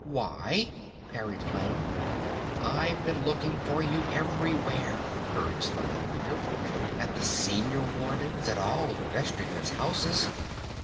"Why?" parried Flame. "I've been looking for you everywhere," urged the Lay Reader. "At the Senior Warden's! At all the Vestrymen's houses!